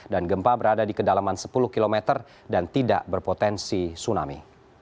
gempa berada di kedalaman sepuluh km dan tidak berpotensi tsunami